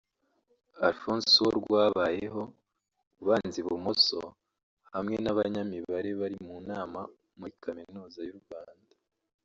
Alphonse Uworwabayeho (ubanza ibumoso) hamwe n’abanyamibare bari mu nama muri Kaminuza y’u Rwanda